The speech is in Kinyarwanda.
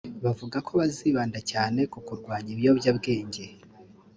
Bavuga ko bazibanda cyane ku kurwanya ibiyobyabwenge